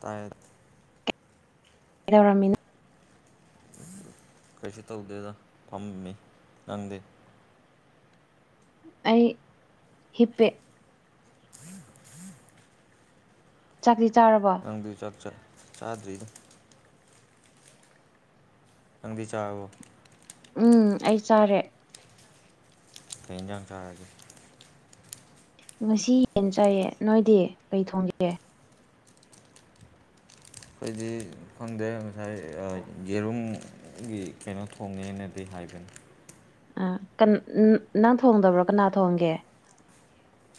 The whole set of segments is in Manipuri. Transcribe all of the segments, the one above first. ꯇꯥꯏꯠ ꯀꯩꯗꯧꯔꯝꯃꯤꯟ ꯀꯩꯁꯨ ꯇꯧꯗꯦꯗ ꯐꯝꯃꯤ ꯅꯪꯗꯤ ꯑꯩ ꯍꯤꯞꯄꯦ ꯆꯥꯛꯇꯤ ꯆꯥꯔꯕꯣ [unintelligible] ꯆꯥꯛ ꯆ ꯆꯥꯗ꯭ꯔꯤꯗ ꯅꯪꯗꯤ ꯆꯥꯔꯕꯣ ꯎꯝ ꯑꯩ ꯆꯥꯔꯦ ꯀꯩ ꯏꯟꯖꯥꯡ ꯆꯥꯔꯒꯦ ꯉꯁꯤ ꯌꯦꯟ ꯆꯥꯏꯌꯦ ꯅꯣꯏꯗꯤ ꯀꯩ ꯊꯣꯡꯒꯦ ꯑꯩꯈꯣꯏꯗꯤ ꯈꯪꯗꯦ ꯉꯁꯥꯏ ꯑ ꯌꯦꯔꯨꯝ ꯒꯤ ꯀꯩꯅꯣ ꯊꯣꯡꯅꯦꯅꯗꯤ ꯍꯥꯏꯕꯅꯤ ꯑꯥ ꯀꯟ ꯅ ꯅꯪ ꯊꯣꯡꯗꯕ꯭ꯔꯣ ꯀꯅꯥ ꯊꯣꯡꯒꯦ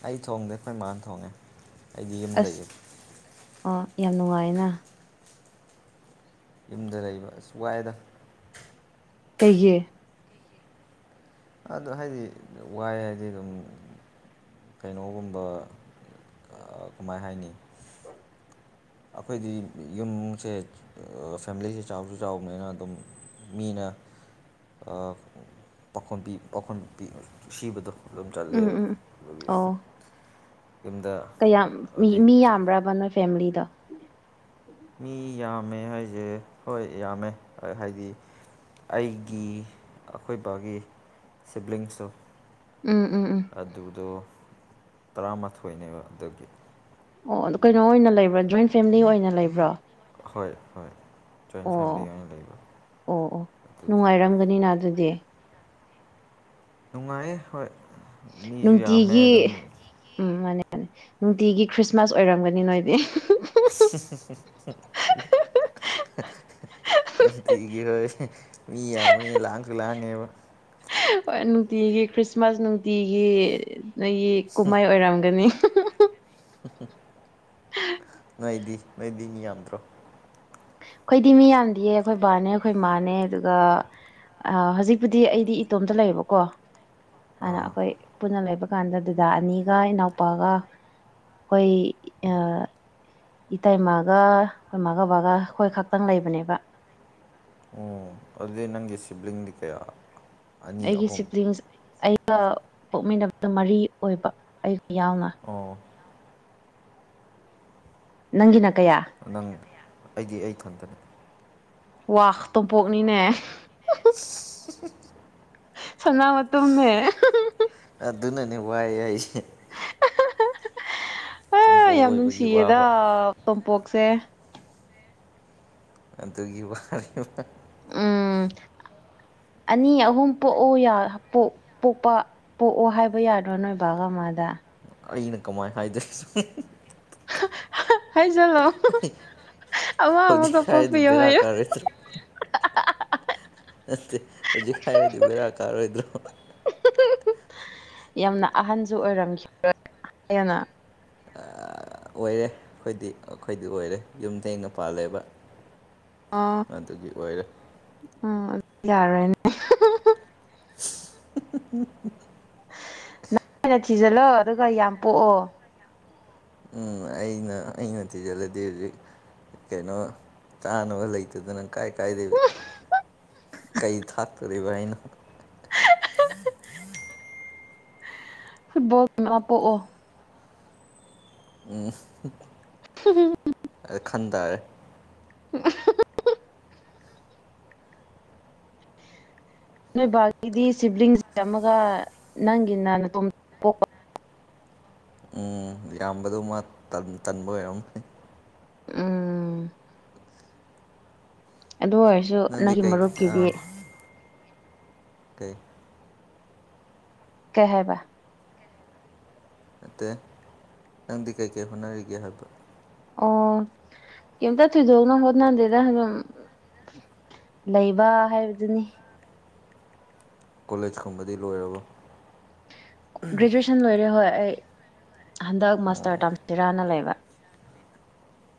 ꯑꯩ ꯊꯣꯡꯗꯦ ꯑꯩꯈꯣꯏ ꯃꯥꯅ ꯊꯣꯡꯉꯦ ꯑꯩꯗꯤ ꯌꯨꯝ ꯑꯁ ꯂꯩꯌꯦ ꯑꯣ ꯌꯥꯝ ꯅꯨꯡꯉꯥꯏꯅ ꯌꯨꯝꯗ ꯂꯩꯕ ꯑꯁ ꯋꯥꯏꯌꯦꯗ ꯀꯩꯒꯤ ꯑꯗꯨ ꯍꯥꯏꯗꯤ ꯋꯥꯏ ꯍꯥꯏꯗꯤ ꯑꯗꯨꯝ ꯀꯩꯅꯣꯒꯨꯝꯕ ꯑ ꯀꯃꯥꯏ ꯍꯥꯏꯅꯤ ꯑꯩꯈꯣꯏꯗꯤ ꯌꯨꯝꯁꯦ ꯐꯦꯃꯤꯂꯤꯁꯦ ꯆꯥꯎꯁꯨ ꯆꯥꯎꯕꯅꯤꯅ ꯑꯗꯨꯝ ꯃꯤꯅ ꯑ ꯄꯥꯈꯣꯟ ꯄꯤ ꯄꯥꯈꯣꯟ ꯄꯤ ꯁꯤꯕꯗꯣ ꯑꯗꯨꯝ ꯎꯝ ꯆꯠꯂꯦꯕ ꯎꯝ ꯑꯗꯨꯒꯤ ꯑꯣ ꯌꯨꯝꯗ ꯀꯌꯥꯝ ꯃꯤ ꯍꯧꯖꯤꯛ ꯃꯤ ꯌꯥꯝꯕ꯭ꯔꯥꯕ ꯅꯣꯏ ꯐꯦꯃꯤꯂꯤꯗꯣ ꯃꯤ ꯌꯥꯝꯃꯦ ꯍꯥꯏꯖꯦ ꯍꯣꯏ ꯌꯥꯝꯃꯦ ꯍꯥꯏꯗꯤ ꯑꯩꯒꯤ ꯑꯩꯈꯣꯏ ꯕꯥꯒꯤ ꯁꯤꯕ꯭ꯂꯤꯡꯁꯨ ꯎꯝ ꯎꯝ ꯎꯝ ꯑꯗꯨꯗꯣ ꯇꯔꯥꯃꯥꯊꯣꯏꯅꯦꯕ ꯑꯗꯨꯒꯤ ꯑꯣ ꯑꯗꯨ ꯀꯩꯅꯣ ꯑꯣꯏꯅ ꯂꯩꯕ꯭ꯔꯣ ꯖꯣꯏꯟ ꯐꯦꯃꯤꯂꯤ ꯑꯣꯏꯅ ꯂꯩꯕ꯭ꯔꯣ ꯍꯣꯏ ꯍꯣꯏ ꯖꯣꯏꯟ ꯐꯦꯃꯤꯂꯤ ꯑꯣ ꯑꯣꯏꯅ ꯂꯩꯕ ꯑꯣ ꯑꯣ ꯑꯗꯨꯒꯤ ꯅꯨꯡꯉꯥꯏꯔꯝꯒꯅꯤꯅ ꯑꯗꯨꯗꯤ ꯅꯨꯡꯉꯥꯏꯌꯦ ꯍꯣꯏ ꯃꯤꯖꯨ ꯌꯥꯝꯃꯦ ꯅꯨꯡꯇꯤꯒꯤ ꯑꯗꯨꯝ ꯎꯝ ꯃꯥꯅꯤ ꯃꯥꯅꯤ ꯅꯨꯡꯇꯤꯒꯤ ꯈ꯭ꯔꯤꯁꯃꯥꯁ ꯑꯣꯏꯔꯝꯒꯅꯤ ꯅꯣꯏꯗꯤ [unintelligible] ꯇꯤꯒꯤ ꯍꯣꯏ ꯃꯤ ꯌꯥꯝꯕꯅꯤꯅ ꯂꯥꯡꯁꯨ ꯂꯥꯡꯉꯦꯕ ꯍꯣꯏ ꯅꯨꯡꯇꯤꯒꯤ ꯈ꯭ꯔꯤꯁꯃꯥꯁ ꯅꯨꯡꯇꯤꯒꯤ ꯅꯣꯏꯒꯤ ꯀꯨꯝꯍꯩ ꯑꯣꯏꯔꯝꯒꯅꯤ ꯅꯣꯏꯗꯤ ꯅꯣꯏꯗꯤ ꯃꯤ ꯌꯥꯝꯗ꯭ꯔꯣ ꯑꯩꯈꯣꯏꯗꯤ ꯃꯤ ꯌꯥꯝꯗꯤꯌꯦ ꯑꯩꯈꯣꯏ ꯕꯥꯅꯦ ꯑꯩꯈꯣꯏ ꯃꯥꯅꯦ ꯑꯗꯨꯒ ꯑ ꯍꯧꯖꯤꯛꯄꯨꯗꯤ ꯑꯩꯗꯤ ꯏꯇꯣꯝꯇ ꯂꯩꯕꯀꯣ ꯍꯥꯟꯅ ꯑꯥ ꯑꯩꯈꯣꯏ ꯄꯨꯟꯅ ꯂꯩꯕ ꯀꯥꯟꯗ ꯗꯥꯗꯥ ꯑꯅꯤꯒ ꯏꯅꯥꯎꯄꯥꯒ ꯑꯩꯈꯣꯏ ꯑ ꯏꯇꯩꯃꯥꯒ ꯑꯩꯈꯣꯏ ꯃꯥꯒ ꯕꯥꯒ ꯑꯩꯈꯣꯏ ꯈꯛꯇꯪ ꯂꯩꯕꯅꯦꯕ ꯑꯣ ꯑꯗꯨꯗꯤ ꯅꯪꯒꯤ ꯁꯤꯕ꯭ꯂꯤꯡ ꯗꯤ ꯀꯌꯥ ꯑꯅꯤ ꯑꯩꯒꯤ ꯑꯍꯨꯝ ꯁꯤꯕ꯭ꯂꯤꯡꯁ ꯑꯩꯒ ꯄꯣꯛꯃꯤꯟꯅꯕꯗ ꯃꯔꯤ ꯑꯣꯏꯕ ꯑꯩꯒ ꯌꯥꯎꯅ ꯑꯣ ꯅꯪꯒꯤꯅ ꯀꯌꯥ ꯅꯪ ꯑꯩꯗꯤ ꯑꯩ ꯏꯊꯟꯇꯅꯤ ꯋꯥ ꯇꯣꯝꯄꯣꯛꯅꯤꯅꯦ ꯁ [unintelligible] ꯁꯅ ꯃꯇꯨꯝꯅꯦ꯫ ꯑꯗꯨꯅꯅꯦ ꯋꯥꯏ ꯍꯥꯏꯁꯦ꯫ ꯑ ꯇꯨꯡꯄꯣꯛ ꯌꯥꯝ ꯑꯣꯏꯕꯒꯤ ꯅꯨꯡꯁꯤꯌꯦꯗ ꯋꯥꯕ ꯇꯣꯝꯄꯣꯛꯁꯦ꯫ ꯑꯗꯨꯒꯤ ꯋꯥꯅꯤ꯫ ꯎꯝ ꯑꯅꯤ ꯑꯍꯨꯝ ꯄꯣꯛꯎ ꯌꯥ ꯄꯣꯛꯄ꯫ ꯄꯣꯛꯑꯣ ꯍꯥꯏꯕ ꯌꯥꯗ꯭ꯔꯣ ꯅꯣꯏ ꯕꯥꯒ ꯃꯥꯗ ꯑꯩꯅ ꯀꯃꯥꯏꯅ ꯍꯥꯏꯗꯣꯏꯅꯣ꯫ ꯍꯥꯏꯖꯜꯂꯣ ꯑꯃ ꯍꯧꯖꯤꯛ ꯑꯃꯒ ꯍꯥꯏꯔꯗꯤ ꯄꯣꯛꯄꯤꯌꯣ ꯕꯦꯔꯥ ꯍꯥꯏꯌ‌ꯣ ꯀꯥꯔꯣꯏꯗ꯭ꯔꯣ [unintelligible] ꯍꯧꯖꯤꯛ ꯍꯥꯏꯔꯗꯤ ꯕꯦꯔꯥ ꯀꯥꯔꯣꯏꯗ꯭ꯔꯣ꯫ ꯌꯥꯝꯅ ꯑꯍꯟꯁꯨ ꯑꯣꯏꯔꯝꯈꯤꯔꯣꯏ ꯍꯥꯏꯌꯦꯅ ꯑꯣꯏꯔꯦ ꯑꯩꯈꯣꯏꯗꯤ ꯑꯩꯈꯣꯏꯗꯤ ꯑꯣꯏꯔꯦ ꯌꯨꯝ ꯊ‌ꯦꯡꯅ ꯄꯥꯜꯂ‌ꯦꯕ ꯑ ꯎꯝ ꯑꯗꯨꯗꯤ ꯌꯥꯔꯦꯅꯦ [unintelligible] ꯅꯪꯅ ꯊꯤꯖꯤꯜꯂꯣ ꯑꯗꯨꯒ ꯌꯥꯝ ꯄꯣꯛꯑꯣ꯫ ꯎꯝ ꯑꯩꯅ ꯑꯩꯅ ꯊꯤꯖꯜꯂꯤꯗꯤ ꯍꯧꯖꯤꯛ ꯀꯩꯅꯣ ꯆꯥꯅꯕ ꯂꯩꯇꯥꯗꯅ ꯀꯥꯏ ꯀꯥꯏꯗꯩ ꯀꯩ ꯊꯥꯛꯇꯧꯔꯤꯕ ꯑꯩꯅ ꯐꯨꯠꯕꯣꯜ ꯀꯞꯄꯛꯑꯣ꯫ ꯎꯝ꯫ ꯍꯝ [unintelligible] ꯈꯟ ꯇꯥꯔꯦ [unintelligible] ꯅꯣꯏ ꯕꯥꯒꯤꯗꯤ ꯁꯤꯕ꯭ꯂꯤꯡꯁꯦ ꯑꯃꯒ ꯅꯪꯒꯤꯅ ꯅꯇꯣꯝ ꯄꯣꯛꯄ ꯌꯥꯝꯕꯗꯨ ꯃꯥ ꯇꯟ ꯇꯟꯕ ꯑꯣꯏꯔꯝꯅꯤ ꯎꯝ ꯑꯗꯨ ꯑꯣꯏꯔꯁꯨ ꯅꯪꯗꯤ ꯅꯪꯒꯤ ꯀꯩ ꯑꯥ ꯃꯔꯨꯞꯀꯤꯗꯤ꯫ ꯀꯩ꯫ ꯀꯩ ꯍꯥꯏꯕ ꯅꯠꯇꯦ ꯅꯪꯗꯤ ꯀꯩ ꯀꯩ ꯍꯣꯠꯅꯔꯤꯒꯦ ꯍꯥꯏꯕ ꯑꯣ ꯀꯩꯝꯇ ꯊꯣꯏꯗꯣꯛꯅ ꯍꯣꯠꯅꯗꯦꯗ ꯑꯗꯨꯝ ꯂꯩꯕ ꯍꯥꯏꯕꯗꯨꯅꯤ ꯀꯣꯂꯦꯖꯀꯨꯝꯕꯗꯤ ꯂꯣꯏꯔꯥꯕꯣ ꯒ꯭ꯔꯦꯖꯨꯑꯦꯁꯟ ꯂꯣꯏꯔꯦ ꯍꯣꯏ ꯑꯩ ꯍꯟꯗꯛ ꯃꯥꯁꯇ꯭ꯔ ꯇꯝꯁꯤꯔꯥꯅ ꯂꯩꯕ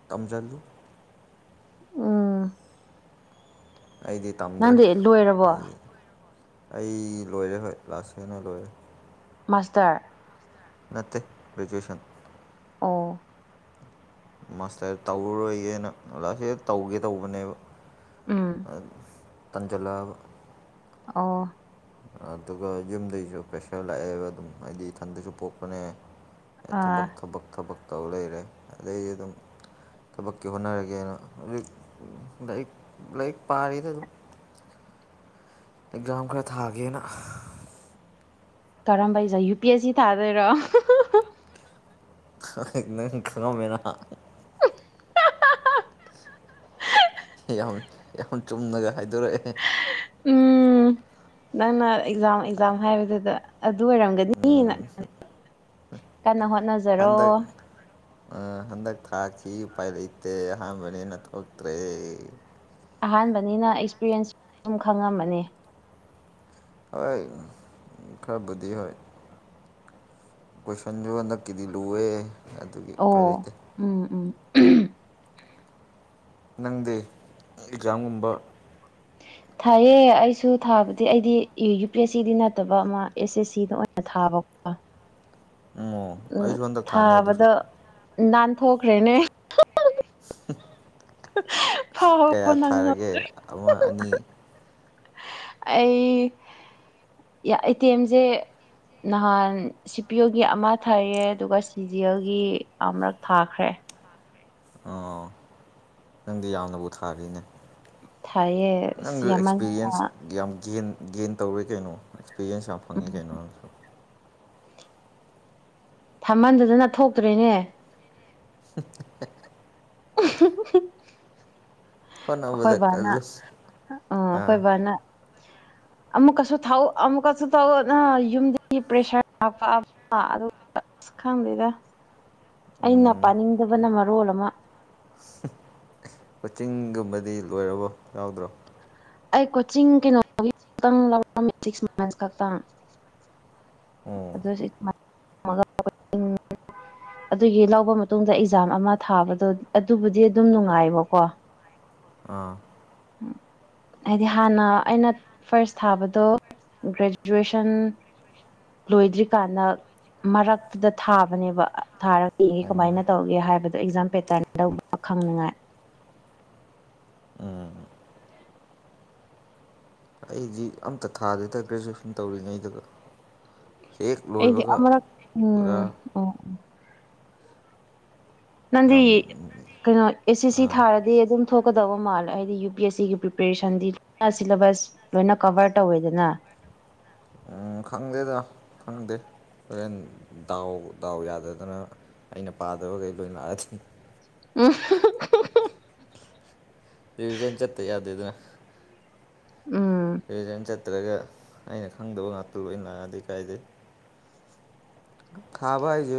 ꯇꯝꯖꯜꯂꯨ ꯎꯝ ꯑꯩꯗꯤ꯫ ꯇꯝꯗ꯭ꯔꯦ ꯅꯪꯗꯤ ꯂꯣꯏꯔꯕꯣ꯫ ꯑꯩ ꯑꯩ ꯂꯣꯏꯔꯦ ꯍꯣꯏ ꯂꯥꯏ ꯁ‌ꯦꯅ ꯂꯣꯏꯔꯦ ꯃꯥꯁꯇꯔ ꯅꯠꯇꯦ ꯒ꯭ꯔꯦꯖꯨꯌꯦꯁꯟ꯫ ꯑꯥ꯫ ꯃꯥꯁꯇꯔ ꯇꯧꯔ ꯔꯣꯏꯒꯦꯅ ꯑꯣꯖ ꯁꯤ ꯇꯧꯒꯦ ꯇꯧꯕꯅꯦꯕ꯫ ꯎꯝ ꯇꯟꯖꯂꯥꯕ꯫ ꯑꯣ ꯑꯗꯨꯒ ꯌꯨꯝꯗꯒꯤꯁꯨ ꯄ꯭ꯔꯦꯁꯔ ꯂꯥꯛꯑꯦꯕ ꯑꯗꯨꯝ ꯍꯥꯏꯗꯤ ꯏꯊꯟꯗꯁꯨ ꯄꯣꯛꯄꯅꯦ꯫ ꯊꯕꯛ ꯑ ꯊꯕꯛ ꯊꯕꯛ ꯇꯧ ꯂꯩꯔꯦ ꯑꯗꯩꯗꯤ ꯑꯗꯨꯝ ꯊꯕꯛꯀꯤ ꯍꯣꯠꯅꯔꯒꯦꯅ ꯍꯧ ꯂꯥꯏꯔꯤꯛ ꯂꯥꯏꯔꯤꯛ ꯄꯥꯔꯤꯗ ꯑꯗꯨꯝ ꯑꯦꯛꯖꯥꯝ ꯈꯔ ꯊꯥꯒꯦꯅ꯫ ꯀꯔꯝꯕ exam U P S C ꯊꯥꯗꯣꯏꯔꯣ [unintelligible] ꯅꯪ ꯈꯪꯉꯝꯃꯦꯅ [unintelligible] ꯌꯥꯝ ꯆꯨꯝꯅꯒ ꯍꯥꯏꯗꯣꯛꯔꯛꯑꯦꯍꯦ ꯎꯝ ꯅꯪꯅ ꯑꯦꯛꯖꯥꯝ ꯑꯦꯛꯖꯥꯝ ꯍꯥꯏꯕꯗꯨꯗ ꯑꯗꯨ ꯑꯣꯏꯔꯝꯒꯅꯤꯅ ꯈꯟ [unintelligible] ꯀꯟꯅ ꯍꯣꯠꯅꯖ ꯍꯟꯗꯛ ꯑ ꯍꯟꯗꯛ ꯊꯥꯈꯤ ꯎꯄꯥꯏ ꯂꯩꯇꯦ ꯑꯍꯥꯟꯕꯅꯤꯅ ꯊꯣꯛꯇ꯭ꯔꯦ ꯑꯍꯥꯟꯕꯅꯤꯅ ꯑꯦꯛꯁꯄꯤꯔꯦꯟꯁꯁꯨ ꯑꯗꯨꯝ ꯈꯪꯉꯝꯃꯅꯤ ꯍꯣꯏ ꯈꯔꯕꯨꯙꯤ ꯍꯣꯏ ꯀꯣꯏꯁꯟꯗꯨ ꯍꯟꯗꯛꯀꯤꯗꯤ ꯂꯨꯋꯦ ꯑꯗꯨꯒꯤ ꯎꯄꯥꯏ ꯑꯣ ꯂꯩꯇꯦ ꯎꯝ ꯎꯝ [unintelligible] ꯅꯪꯗꯤ ꯑꯦꯛꯖꯥꯝꯒꯨꯝꯕ ꯊꯥꯏꯌꯦ ꯑꯩꯁꯨ ꯊꯥꯕꯗꯤ ꯑꯩꯗꯤ ꯌꯨ ꯄꯤ ꯑꯦꯁ ꯁꯤꯗꯤ ꯅꯠꯇꯕ ꯑꯃ ꯑꯦꯁ ꯑꯦꯁ ꯁꯤꯗ ꯑꯣꯏꯅ ꯊꯥꯕꯀꯣ ꯑꯣ ꯎꯝ ꯑꯩꯁꯨ ꯍꯟꯗꯛ ꯊꯥꯅꯤ ꯑꯗꯨꯁꯨ ꯊꯥꯕꯗꯣ ꯅꯥꯟꯊꯣꯛꯈ꯭ꯔꯦꯅꯦ [unintelligible] [unintelligible] ꯐꯥꯎꯕ ꯀꯌꯥ ꯅꯪ ꯊꯥꯔꯒꯦ ꯑꯃ ꯑꯅꯤ [unintelligible] ꯑꯩ ꯌꯥ ꯑꯦꯇꯦꯝꯖꯦ ꯅꯍꯥꯟ ꯁꯤ ꯄꯤꯌ‌ꯣꯒꯤ ꯑꯃ ꯊꯥꯏꯌꯦ ꯑꯗꯨꯒ ꯁꯤ ꯖꯤ ꯑꯦꯜꯒꯤ ꯑꯃꯔꯛ ꯊꯥꯈ꯭ꯔꯦ ꯑꯣ ꯅꯪꯗꯤ ꯌꯥꯝꯅꯕꯨ ꯊꯥꯔꯤꯅꯦ ꯊꯥꯏꯌꯦ ꯁꯤ ꯅꯪꯁꯨ ꯑꯦꯛꯁꯄꯤꯔꯤꯌꯦꯟꯁ ꯌꯥꯝꯃꯟꯗꯅ ꯌꯥꯝ ꯒꯦꯟ ꯒꯦꯟ ꯇꯧꯔꯦ ꯀꯩꯅꯣ ꯑꯦꯛꯁꯄꯤꯔ꯭ꯌꯦꯟꯁ ꯌꯥꯝ ꯐꯪꯉꯦ ꯀꯩꯅꯣ ꯅꯪꯁꯨ ꯊꯃꯟꯗꯗꯅ ꯊꯣꯛꯇ꯭ꯔꯦꯅꯦ ꯇꯠ [unintelligible] ꯑꯩꯈꯣꯏ ꯍꯣꯠꯅꯕꯗ ꯕꯥꯅ ꯀꯜꯂꯨ ꯑ ꯑꯩꯈꯣꯏ ꯕꯥꯅ ꯑꯃꯨꯛꯀꯁꯨ ꯊꯥꯎ ꯑꯃꯨꯛꯀꯁꯨ ꯊꯧꯅ ꯌꯨꯝꯗꯒꯤ ꯄ꯭ꯔꯦꯁꯔ ꯍꯥꯄ [unintelligible] ꯑ [unintelligible] ꯑꯁ ꯈꯪꯗꯦꯗ ꯑꯩꯅ ꯄꯥꯅꯤꯡꯗꯕꯅ ꯃꯔꯣꯜ ꯑꯃ [unintelligible] ꯀꯣꯆꯤꯡꯒꯨꯝꯕꯗꯤ ꯂꯣꯏꯔꯕꯣ ꯌꯥꯎꯗ꯭ꯔꯣ ꯑꯩ ꯀꯣꯆꯤꯡ ꯀꯩꯅꯣꯒꯤ ꯈꯛꯇꯪ ꯂꯧꯔꯝꯃꯤ ꯁꯤꯛꯁ ꯃꯟꯁ ꯈꯛꯇꯪ ꯑꯗꯨꯏ ꯁꯨ [unintelligible] ꯑꯗꯨꯒꯤ ꯂꯧꯕ ꯃꯇꯨꯡꯗ ꯑꯦꯛꯖꯥꯝ ꯑꯃ ꯊꯥꯕꯗꯣ ꯑꯗꯨꯕꯨꯗꯤ ꯑꯗꯨꯝ ꯅꯨꯡꯉꯥꯏꯕꯀꯣ ꯑꯥ ꯎꯝ ꯍꯥꯏꯗꯤ ꯍꯥꯟꯅ ꯑꯩꯅ ꯐꯥꯔꯁ ꯊꯥꯕꯗꯣ ꯒ꯭ꯔꯦꯖꯨꯑꯦꯁꯟ ꯂꯣꯏꯗ꯭ꯔꯤꯀꯥꯟꯗ ꯃꯔꯛꯇꯨꯗ ꯊꯥꯕꯅꯦꯕ ꯊꯥꯔꯒ ꯌꯦꯡꯒꯦ ꯀꯃꯥꯏꯅ ꯇꯧꯒꯦ ꯍꯥꯏꯕꯗꯣ ꯑꯦꯛꯖꯥꯝ ꯄꯦꯇꯔꯟꯗ [unintelligible] ꯕ ꯈꯪꯅꯤꯉꯥꯏ ꯎꯝ ꯑꯩꯗꯤ ꯑꯝꯇ ꯊꯥꯗꯦꯗ ꯒ꯭ꯔꯦꯖꯨꯋꯦꯁꯟ ꯇꯧꯔꯤꯉꯩꯗꯒ ꯍ‌ꯦꯛ ꯑꯩꯗꯤ ꯂꯣꯏꯕꯒ ꯑꯃꯔꯛ ꯄꯨꯔꯥ ꯎꯝ ꯑꯣ ꯅꯪꯗꯤ ꯌꯥꯝ ꯀꯩꯅꯣ ꯑꯦꯁ ꯑꯦꯁ ꯁꯤ ꯑꯥ ꯊꯥꯔ ꯗꯤ ꯑꯗꯨꯝ ꯊꯣꯛꯀꯗꯕ ꯃꯥꯜꯂꯦ ꯍꯥꯏꯗꯤ ꯌꯨ ꯄꯤ ꯑꯦꯁ ꯁꯤꯒꯤ ꯄ꯭ꯔꯤꯄꯦꯔꯦꯁꯟꯗꯤ ꯁꯤꯂꯦꯕꯁ ꯂꯣꯏꯅ ꯀꯚꯔ ꯇꯧꯋꯦꯗꯅ ꯎꯝ ꯈꯪꯗꯦꯗ ꯈꯪꯗꯦ ꯍꯣꯔꯦꯟ ꯗꯥꯎ ꯗꯥꯎ ꯌꯥꯗꯗꯅ ꯑꯩꯅ ꯄꯥꯗꯕꯈꯩ ꯂꯣꯏ ꯂꯥꯛꯑꯗꯤ ꯎꯝ [unintelligible] ꯔꯤꯚꯤꯖꯟ ꯆꯠꯇ ꯌꯥꯗꯦꯗꯅ ꯎꯝ ꯔꯤꯖꯦꯟ ꯆꯠꯇ꯭ꯔꯒ ꯑꯩꯅ ꯈꯪꯗꯕ ꯉꯥꯛꯇ ꯂ‌ꯣꯏꯅ ꯂꯥꯛꯑꯗꯤ ꯀꯥꯏꯗꯩ [unintelligible] ꯊꯥꯕ ꯍꯥꯏꯁꯦ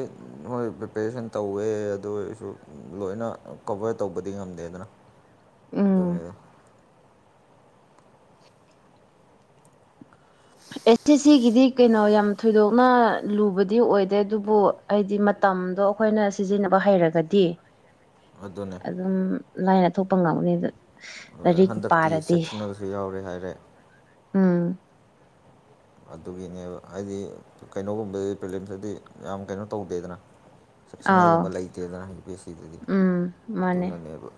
ꯃꯣꯏ ꯄ꯭ꯔꯤꯄꯦꯔꯦꯁꯟ ꯇꯧꯋꯦ ꯑꯗꯨ ꯑꯣꯏꯔꯁꯨ ꯂꯣꯏꯅ ꯀꯕꯔ ꯇꯧꯕꯗꯤ ꯉꯝꯗꯦꯗꯅ ꯎ ꯗꯨꯅꯦꯗ ꯑꯦ ꯁꯤ ꯁꯤꯒꯤꯗꯤ ꯀꯩꯅꯣ ꯌꯥꯝ ꯊꯣꯏꯗꯣꯛꯅ ꯂꯨꯕꯗꯤ ꯑꯣꯏꯗꯦ ꯑꯗꯨꯕꯨ ꯑꯩꯗꯤ ꯃꯇꯝꯗꯣ ꯑꯈꯣꯏꯅ ꯁꯤꯖꯤꯟꯅꯕ ꯍꯩꯔꯒꯗꯤ ꯑꯗꯨꯅꯦ ꯑꯗꯨꯝ ꯂꯥꯏꯅ ꯊꯣꯛꯄ ꯉꯝꯅꯤꯗ ꯍꯣꯏ ꯂꯥꯏꯔꯤꯛ ꯍꯟꯗꯛꯇꯤ ꯄꯥꯔꯗꯤ ꯁꯦꯛꯁꯟꯅꯜꯁꯨ ꯌꯥꯎꯔꯦ ꯍꯥꯏꯔꯦ ꯎꯝ ꯑꯗꯨꯒꯤꯅꯦꯕ ꯍꯥꯏꯗꯤ ꯀꯩꯅꯣꯒꯨꯝꯕ ꯄ꯭ꯔꯣꯕ꯭ꯂꯦꯝꯁꯤꯗꯤ ꯌꯥꯝ ꯀꯩꯅꯣ ꯇꯧꯗꯦꯗꯅ ꯁꯦꯛꯁꯟ ꯑꯥꯎ ꯑꯗꯨꯒꯨꯝꯕ ꯂꯩꯇꯦꯗꯅ ꯍꯥꯏ ꯄ ꯁꯤꯗꯗꯤ ꯎꯝ ꯃꯥꯅꯦ ꯑꯗꯨꯅꯅꯦꯕ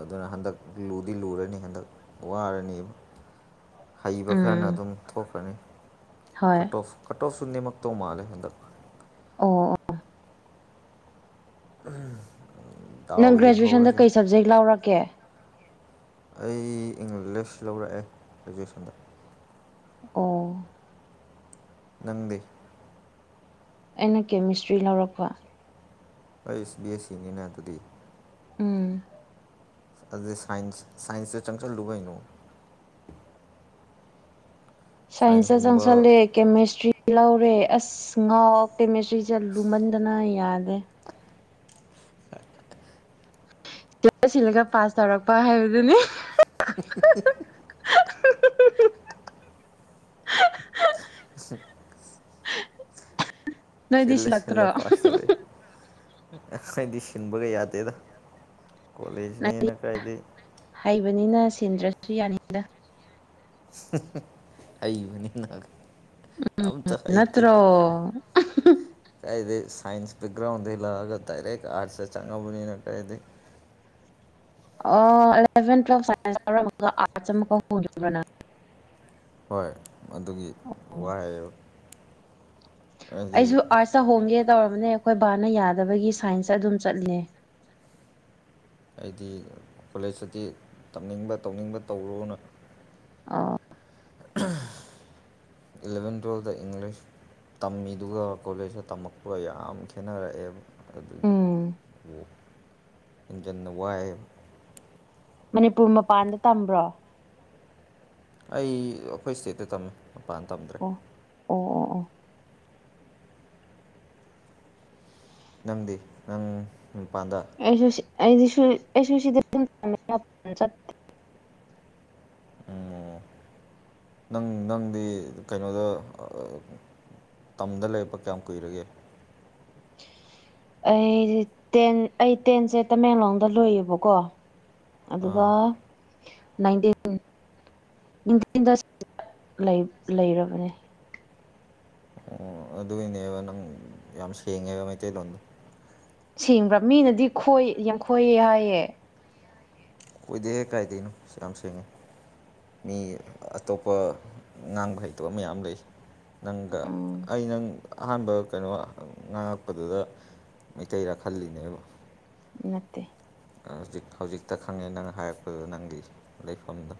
ꯑꯗꯨꯅ ꯍꯟꯗꯛ ꯂꯨꯗꯤ ꯂꯨꯔꯅꯤ ꯍꯟꯗꯛ ꯋꯥꯔꯅꯤꯕ ꯍꯩꯕ ꯈꯔꯅ ꯎꯝ ꯑꯗꯨꯝ ꯊꯣꯛꯈ꯭ꯔꯅꯤ ꯍꯣꯏ ꯀꯠ ꯑꯣ ꯑꯣꯐ ꯀꯠ ꯑꯣꯐꯁꯨ ꯅꯦꯝꯃꯛꯇꯧ ꯃꯥꯜꯂꯦ ꯍꯟꯗꯛ ꯑꯣ ꯑꯣ ꯎꯝ ꯅꯪ ꯒ꯭ꯔꯦꯖꯨꯋꯦꯁꯟꯗ ꯀꯩ ꯁꯞꯖꯦꯛ ꯂꯧꯔꯛꯀꯦ ꯑꯩ ꯏꯪꯂꯤꯁ ꯂꯧꯔꯛꯑꯦ ꯒ꯭ꯔꯦꯖꯨꯋꯦꯁꯟꯗ ꯑꯣ ꯅꯪꯗꯤ ꯑꯩꯅ ꯀꯦꯃꯤꯁꯇ꯭ꯔꯤ ꯂꯧꯔꯛꯄ ꯑꯩꯁ ꯕꯤ ꯑꯦꯁ ꯁꯤꯅꯤꯅ ꯑꯗꯨꯗꯤ ꯎꯝ ꯑꯗꯨ ꯁꯥꯏꯟꯁ ꯁꯥꯏꯟꯁꯇ ꯆꯪꯁꯜꯂꯨꯕꯩꯅꯣ ꯁꯥꯏꯟꯁ ꯁꯥꯏꯟꯁꯀꯨꯝꯕ ꯆꯪꯁ ꯂꯦ ꯀꯦꯃꯤꯁꯇ꯭ꯔꯤ ꯂꯧꯔꯦ ꯑꯁ ꯉꯥꯎ ꯀꯦꯃꯤꯁꯇ꯭ꯔꯤꯁꯦ ꯂꯨꯝꯃꯟꯗꯅ ꯌꯥꯗꯦ [unintelligible] ꯆ ꯁꯤꯜꯂꯒ ꯄꯥꯁ ꯇꯧꯔꯛꯄ ꯍꯥꯏꯕꯗꯨꯅꯤ [unintelligible] ꯅꯣꯏꯗꯤ ꯆꯜꯂ ꯁꯤꯜꯂꯛꯇ꯭ꯔꯣ ꯁꯤꯜꯂ ꯄꯥꯁꯇꯕ ꯑꯈ‌ꯣꯏꯗꯤ ꯁꯤꯟꯕꯒ ꯌꯥꯗꯦꯗ ꯅꯣꯏꯗꯤ ꯀꯣꯂꯦꯖꯅꯦꯅ ꯀꯥꯏꯗꯩ ꯍꯩꯕꯅꯤꯅ ꯁꯤꯟꯗ꯭ꯔꯁꯨ ꯌꯥꯅꯤꯗ ꯍꯩꯕꯅꯤꯅ ꯑꯝꯇ ꯍꯩꯇ‌ꯦ ꯅꯠꯇ꯭ꯔꯣ ꯀꯦ ꯁꯥꯏꯟꯁ ꯦꯛꯒ꯭ꯔꯥꯎꯟ ꯏꯂꯒ ꯗꯥꯏꯔ ꯑꯔꯠꯁ ꯆꯪꯉꯕꯨꯅꯤꯅ ꯀꯗꯤ ꯑꯦꯂꯦꯚꯦꯟ ꯇꯨꯋꯦꯜꯞ ꯁꯥꯏꯟꯁ ꯂꯧꯎꯔꯝꯃꯒ ꯑꯥꯔꯠꯁ ꯑꯃꯨꯛ ꯍꯧꯈꯤꯕꯅ ꯍꯣꯏ ꯑꯗꯨꯒꯤ ꯋꯥ ꯍꯥꯏ ꯑꯩꯁꯨ ꯑꯥꯔꯠꯁꯇ ꯍꯣꯡꯒꯦ ꯇꯧꯔꯕꯅꯦ ꯑꯩꯈꯣꯏ ꯕꯥꯅ ꯌꯥꯗꯕꯒꯤ ꯁꯥꯏꯟꯁꯇ ꯑꯗꯨꯝ ꯆꯠꯂꯦ ꯑꯩꯗꯤ ꯀꯣꯂꯦꯖꯇꯗꯤꯤ ꯇꯝꯅꯤꯡꯕ ꯇꯧꯅꯤꯡꯕ ꯇꯧꯔꯨꯅ ꯑ ꯏꯂꯚꯦꯟ ꯇ꯭ꯨꯋꯦꯜꯗ ꯏꯪꯂꯤꯁ ꯇꯝꯃꯤꯗꯨꯒ ꯀꯣꯂꯦꯖꯇ ꯇꯝꯃꯛꯄꯒ ꯌꯥꯝ ꯈꯦꯠꯅꯔꯛꯑꯦꯕ ꯑꯗꯨ ꯎꯝ ꯏꯟꯖꯟꯅ ꯋꯥꯏ ꯃꯅꯤꯄꯨꯔ ꯃꯄꯥꯟꯗ ꯇꯝꯕ꯭ꯔꯣ ꯑꯩ ꯑꯩꯈꯣꯏ ꯁ꯭ꯇꯦꯠꯇ ꯇꯝꯃꯦ ꯃꯄꯥꯟ ꯇꯝꯗ꯭ꯔꯦ ꯑꯣ ꯑꯣ ꯑꯣ ꯑꯣ ꯅꯪꯗꯤ ꯅꯪ ꯃꯄꯥꯟꯗ ꯑꯩꯁꯨ ꯁꯤ ꯑꯩꯁꯨ ꯁꯤ ꯑꯩꯁꯨ ꯁꯤꯗ ꯗꯨꯝ ꯇꯝꯃ‌ꯦ ꯃꯄꯥꯟ ꯆꯠꯇ‌ꯦ ꯑꯣ [unintelligible] ꯅꯪ ꯅꯪꯗꯤ ꯀꯩꯅꯣꯗ ꯇꯝꯗ ꯂꯩꯔꯄ ꯀꯌꯥꯝ ꯀꯨꯏꯔꯒꯦ ꯑꯩ ꯇꯦꯟ ꯑꯩ ꯇꯦꯟꯁꯦ ꯇꯃꯦꯡꯂꯣꯡꯗ ꯂꯣꯏꯌꯦꯕꯀꯣ ꯑꯗꯨꯒ ꯑꯥ ꯅꯥꯇꯤꯟ ꯂꯩꯔꯕꯅꯦ ꯑꯣ ꯑꯗꯨꯏꯅꯦꯕ ꯅꯪ ꯌꯥꯝ ꯁꯦꯡꯉꯦꯕ ꯃꯩꯇꯩꯂꯣꯟꯗꯣ ꯁꯦꯡꯕ꯭ꯔꯥ ꯃꯤꯅꯗꯤ ꯈꯣꯏ ꯌꯥꯡꯈꯣꯏꯑ ꯍꯥꯏꯌꯦꯦ ꯑꯣꯏꯗꯦꯍ‌ꯦ ꯀꯥꯏꯗꯩꯅꯣ ꯁꯛ ꯌꯥꯝ ꯁꯦꯡꯉꯦ ꯃꯤ ꯑꯇꯣꯞꯄ ꯉꯥꯡꯕ ꯍꯩꯇꯕ ꯃꯌꯥꯝ ꯂꯩ ꯅꯪꯒ ꯎꯝ ꯑꯩ ꯅꯪ ꯑꯍꯥꯟꯕ ꯀꯩꯅꯣ ꯉꯥꯡꯉꯛꯄꯗꯨꯗ ꯃꯩꯇꯩꯔ ꯈꯜꯂꯤꯅꯦꯕ ꯅꯠꯇꯦ ꯍꯧꯖꯤꯛ ꯍꯧꯖꯤꯛꯇ ꯈꯪꯉꯦ ꯅꯪ ꯍꯥꯏꯔꯛꯄꯗ ꯅꯪꯒꯤ ꯂꯩꯐꯝꯗꯣ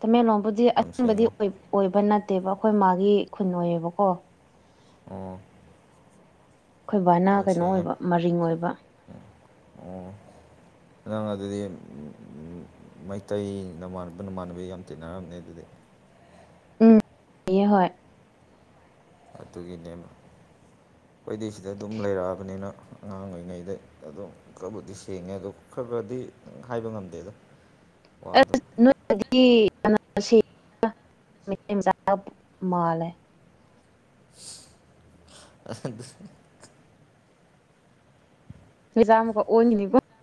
ꯇꯃꯦꯡꯂꯣꯡꯕꯨꯗꯤ ꯌꯥꯝ ꯑꯦꯡꯕꯗꯤ ꯁꯦꯡꯉꯦ ꯑꯣꯏꯕ ꯅꯠꯇꯦꯕ ꯑꯩꯈꯣꯏ ꯃꯥꯒꯤ ꯈꯨꯟ ꯑꯣꯏꯌꯦꯕꯀꯣ ꯑꯣ ꯑꯩꯈꯣꯏ ꯕꯥꯅꯥ ꯌꯥꯝ ꯀꯩꯅꯣ ꯁꯦꯡꯉꯦ ꯑꯣꯏꯕ ꯃꯔꯤꯡ ꯑꯣꯏꯕ ꯑꯣ ꯀꯅꯥ ꯑꯗꯨꯗꯤ ꯃꯩꯇꯩ ꯅ ꯅꯃꯥꯟꯅꯕ ꯌꯥꯝ ꯇꯤꯟꯅꯔꯝꯃꯦ ꯑꯗꯨꯗꯤ ꯎꯝ [unintelligible] ꯌ‌ꯦ ꯍꯣꯏ ꯑꯗꯨꯒꯤꯅꯦ ꯑꯩꯈꯣꯏꯗꯤꯩ ꯁꯤꯗ ꯑꯗꯨꯝ ꯂꯩꯔꯛꯑꯕꯅꯤꯅ ꯑꯉꯥꯡ ꯑꯣꯏꯔꯤꯉꯩꯗ ꯑꯗꯨꯝ ꯈꯔꯕꯨꯗꯤ ꯁꯦꯡꯉꯦ ꯑꯗꯣ ꯈꯔ ꯈꯔꯗꯤ ꯍꯥꯏꯕ ꯉꯝꯗꯦ ꯑꯗꯣ ꯑꯁ ꯅꯣꯏꯗꯤꯆꯥ ꯃꯥꯜꯂꯦ ꯑ ꯍ‌‌ꯦꯖꯥꯝ ꯑꯃꯨꯛꯀ ꯑꯣꯟꯈꯤꯅꯤꯀꯣ